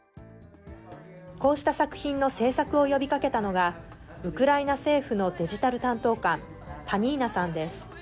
こうした作品の制作を呼びかけたのが、ウクライナ政府のデジタル担当官、パニーナさんです。